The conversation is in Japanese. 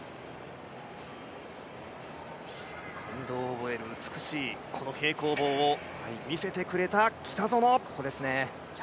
感動を超える美しいこの平行棒を見せてくれた北園。